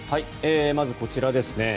まず、こちらですね